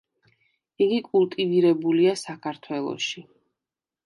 იგი კულტივირებულია საქართველოში.